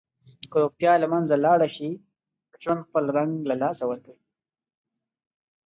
که روغتیا له منځه لاړه شي، ژوند خپل رنګ له لاسه ورکوي.